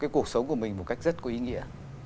cuộc sống của mình một cách rất có ý nghĩa